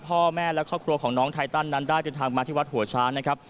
พ่อแม่และครอบครัวของน้องไทตันนั้นได้เดินทางมาที่วัดหัวช้างนะครับ